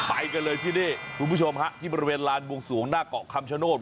ไปกันเลยที่นี่คุณผู้ชมฮะที่บริเวณลานบวงสวงหน้าเกาะคำชโนธ